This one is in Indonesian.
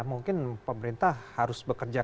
mungkin pemerintah harus bekerja